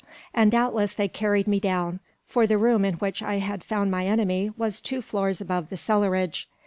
And doubtless they carried me down; for the room in which I had found my enemy was two floors above the cellarage.